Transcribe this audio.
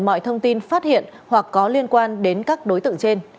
mọi thông tin phát hiện hoặc có liên quan đến các đối tượng trên